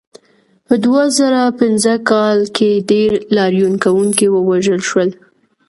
په دوه زره پنځه کال کې ډېر لاریون کوونکي ووژل شول.